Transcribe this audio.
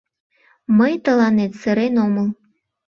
Мый тыланет сырен омыл.